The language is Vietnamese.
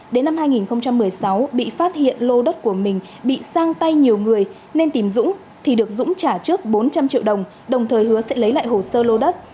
đến năm hai nghìn một mươi sáu bị phát hiện lô đất của mình bị sang tay nhiều người nên tìm dũng thì được dũng trả trước bốn trăm linh triệu đồng đồng thời hứa sẽ lấy lại hồ sơ lô đất